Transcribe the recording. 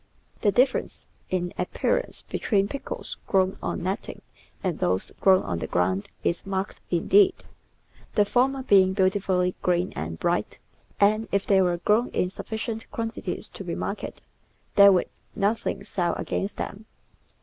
The difference in appearance be tween pickles grown on netting and those grown on the ground is marked indeed, the former being beautifully green and bright, and if they were grown in sufficient quantities to be marketed, there would nothing sell against them.